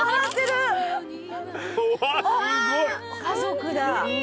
家族だ。